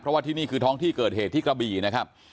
เพราะว่าที่นี่คือท้องที่เกิดเหตุที่กระบี่นะครับ